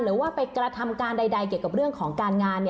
หรือว่าไปกระทำการใดเกี่ยวกับเรื่องของการงาน